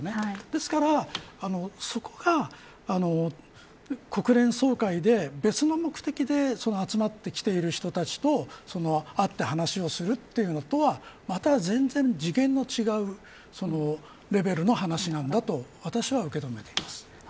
ですからそこが国連総会で別の目的で集まってきている人たちと会って話をするのとは全然次元の違うレベルの話なんだと私は受け止めています。